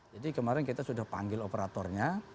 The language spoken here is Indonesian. jadi kemarin kita sudah panggil operatornya